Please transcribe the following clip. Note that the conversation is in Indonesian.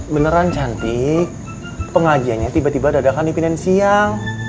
beneran cantik pengajiannya tiba tiba dadahkan dipilih siang